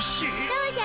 どうじゃ？